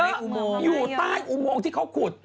มันเยอะอยู่ใต้อุโมงที่เขาขุด